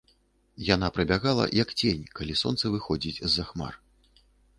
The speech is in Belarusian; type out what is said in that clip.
Яна прабягала, як цень, калі сонца выходзіць з-за хмар.